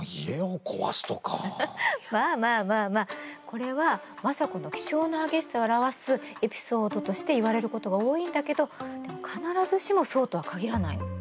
これは政子の気性の激しさを表すエピソードとして言われることが多いんだけどでも必ずしもそうとは限らないの。